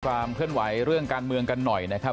ความเคลื่อนไหวเรื่องการเมืองกันหน่อยนะครับ